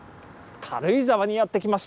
軽井沢にやって来ました。